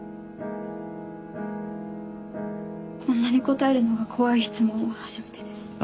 こんなに答えるのが怖い質問は初めてです。